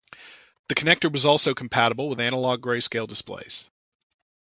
The connector was also compatible with analog grayscale displays.